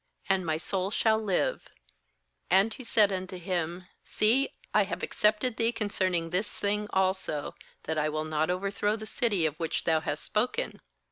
— and my soul shall live/ 21And he said unto him: 'See, I have accepted thee concerning this thing also, that I will not over throw the city of which thou hast spoken.